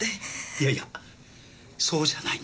いやいやそうじゃないんだ。